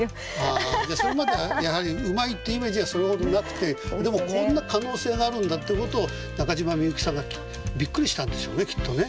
あじゃあそれまではやはりうまいっていうイメージはそれほどなくてでもこんな可能性があるんだっていうことを中島みゆきさんがびっくりしたんですよねきっとね。